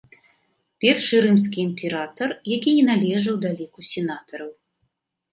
Першы рымскі імператар, які не належаў да ліку сенатараў.